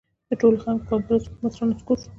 د ټولو خلکو کانګرس حکومت را نسکور شو.